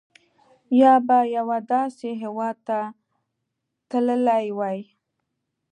یا به یوه داسې هېواد ته تللي وای.